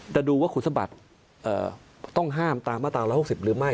ดูว่าคุณสมบัติต้องห้ามตามมาตรา๑๖๐หรือไม่